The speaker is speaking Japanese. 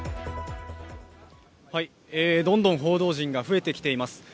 どんどん報道陣が増えてきています。